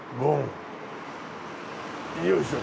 よいしょ。